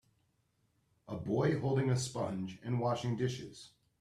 A boy holding a sponge and washing dishes.